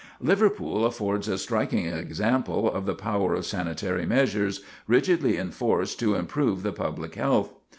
Liverpool affords a striking example of the power of sanitary measures, rigidly enforced to improve the public health.